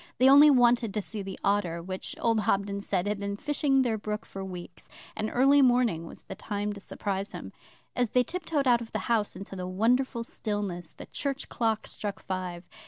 They only wanted to see the otter which, old Hobden said, had been fishing their brook for weeks; and early morning was the time to surprise him. As they tiptoed out of the house into the wonderful stillness, the church clock struck five.